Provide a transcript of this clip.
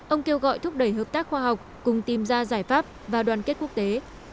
ông kêu gọi thúc đẩy hợp tác khoa học cùng tìm ra giải pháp và đoàn kết quốc tế